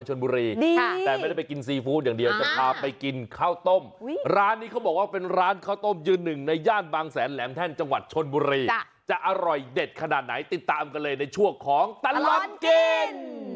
ชนบุรีแต่ไม่ได้ไปกินซีฟู้ดอย่างเดียวจะพาไปกินข้าวต้มร้านนี้เขาบอกว่าเป็นร้านข้าวต้มยืนหนึ่งในย่านบางแสนแหลมแท่นจังหวัดชนบุรีจะอร่อยเด็ดขนาดไหนติดตามกันเลยในช่วงของตลอดกิน